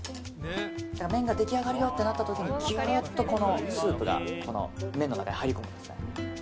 麺が出来上がるよってなった時にギュッとこのスープが麺の中に入り込むんです。